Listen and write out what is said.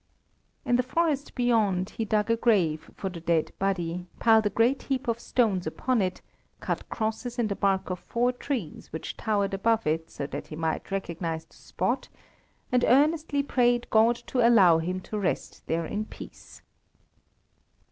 In the forest beyond he dug a grave for the dead body, piled a great heap of stones upon it, cut crosses in the bark of four trees which towered above it so that he might recognize the spot, and earnestly prayed God to allow him to rest there in peace.